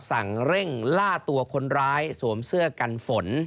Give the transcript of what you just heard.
สั่งเร่งล่าตัวคนร้ายสวมเสื้อกันฝน